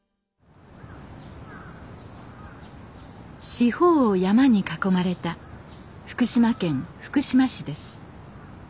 四方を山に囲まれた福島県福島市です。